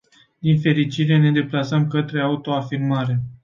Din fericire, ne deplasăm către auto-afirmare.